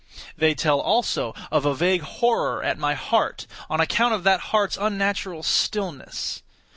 They tell also of a vague horror at my heart, on account of that heart's unnatural stillness.